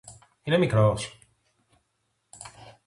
Είναι μικρός;